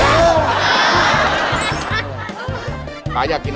อาหารการกิน